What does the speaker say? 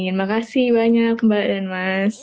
terima kasih banyak mbak dan mas